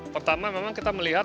pertama memang kita melihat